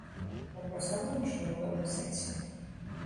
Ён проста вымушаны ў пэўным сэнсе.